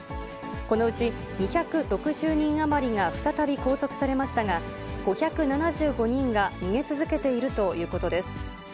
このうち２６０人余りが再び拘束されましたが、５７５人が逃げ続けているということです。